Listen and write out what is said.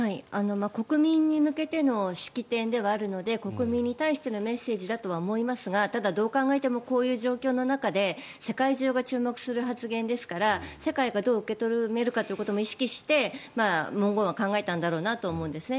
国民に向けての式典ではあるので国民に対してのメッセージだとは思いますがただ、どう考えてもこういう状況の中で世界中が注目する発言ですから世界がどう受け止めるかということも意識して文言は考えたんだろうなと思うんですね。